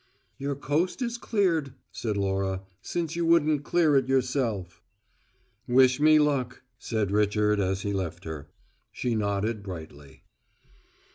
"Your coast is cleared," said Laura, "since you wouldn't clear it yourself." "Wish me luck," said Richard as he left her. She nodded brightly.